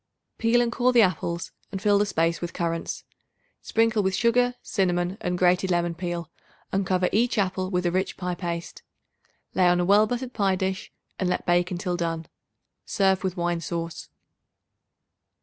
Peel and core the apples and fill the space with currants. Sprinkle with sugar, cinnamon and grated lemon peel, and cover each apple with a rich pie paste. Lay on a well buttered pie dish and let bake until done. Serve with wine sauce.